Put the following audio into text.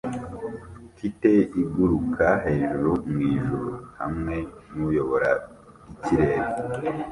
Kite iguruka hejuru mwijuru hamwe nuyobora ikirere